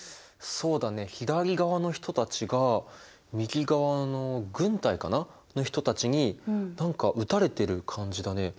そうだね左側の人たちが右側の軍隊かな？の人たちに何か撃たれてる感じだね。